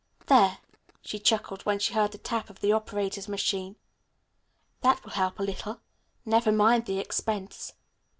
"There," she chuckled when she heard the tap of the operator's machine, "that will help a little. Never mind the expense."